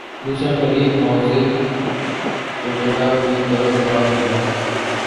دوسرا قریب موضع چکوڑہ کی طرف بھاگ نکلا۔